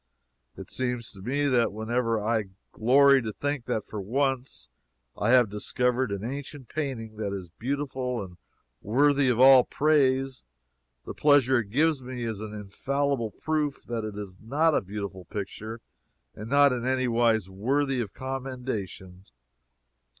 It seems to me that whenever I glory to think that for once I have discovered an ancient painting that is beautiful and worthy of all praise, the pleasure it gives me is an infallible proof that it is not a beautiful picture and not in any wise worthy of commendation.